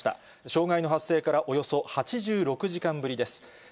障害の発生からおよそ８６時間ぶりです。